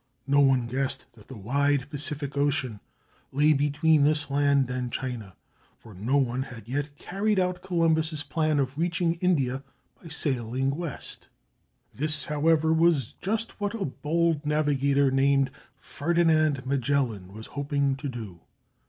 No one guessed that the wide Pacific Ocean lay be tween this land and China, for no one had yet carried out Columbus's plan of reaching India by sailing west. This, however, was just what a bold navigator named Ferdinand Magellan was hoping to do.